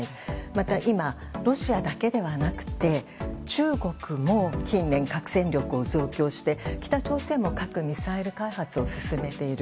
また、今、ロシアだけではなくて中国も近年、核戦力を増強して、北朝鮮も核ミサイル開発を進めている。